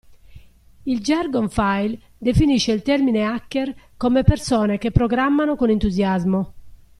Il Jargon File definisce il termine hacker come persone che "programmano con entusiasmo".